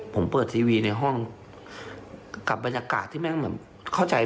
ผมเปิดทีวีในห้องกับบรรยากาศที่แม่งเหมือนเข้าใจ